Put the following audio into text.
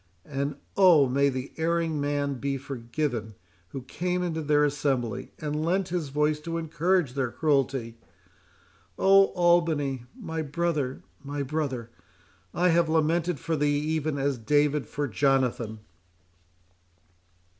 —And, oh! may the erring man be forgiven who came into their assembly, and lent his voice to encourage their, cruelty!—Oh! Albany, my brother, my brother, I have lamented for thee even as David for Jonathan!"